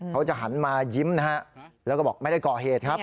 เขาจะหันมายิ้มนะฮะแล้วก็บอกไม่ได้ก่อเหตุครับ